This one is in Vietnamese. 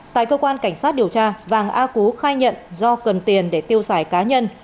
tại cơ quan cảnh sát điều tra vàng a cú khai nhận do cần tiền để tiêu xài cá nhân